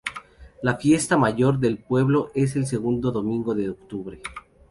La fiesta mayor del pueblo es el segundo domingo de octubre.